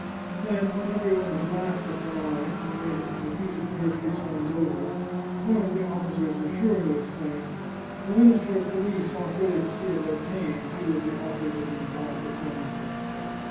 " Then, when every one had laughed at the lines, and they had been repeated two or three times over, one of the officers was sure to exclaim, " The Minister of Police ought really to see about hanging a few of the authors of these vile perform ances."